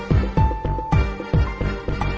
กินโทษส่องแล้วอย่างนี้ก็ได้